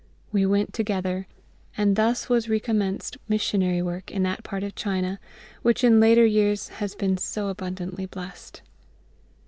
We went together; and thus was recommenced missionary work in that part of China, which in later years has been so abundantly blessed.